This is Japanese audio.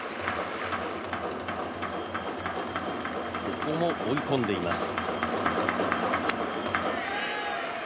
ここも追い込んでいます。